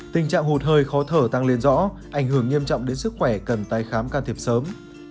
tình trạng hụt hơi khó thở tăng lên rõ ảnh hưởng nghiêm trọng đến sức khỏe cần tái khám can thiệp sớm